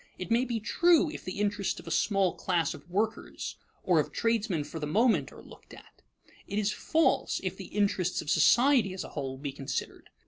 It may be true, if the interests of a small class of workers or of tradesmen for the moment are looked at; it is false, if the interests of society as a whole be considered.